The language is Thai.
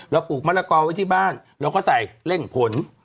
เราปลูกมาราคาไว้ที่บ้านแล้วก็ใส่เล่งผล